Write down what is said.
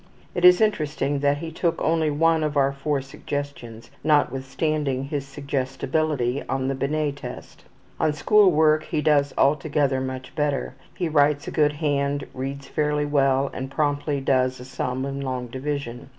It is interesting that he took only one out of four suggestions, notwithstanding his suggestibility on the Binet test. On school work he does altogether much better. He writes a good hand, reads fairly well, and promptly does a sum in long division.